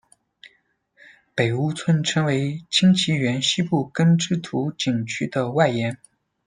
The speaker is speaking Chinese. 北坞村成为清漪园西部耕织图景区的外延。